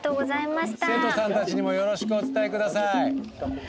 生徒さんたちにもよろしくお伝えください。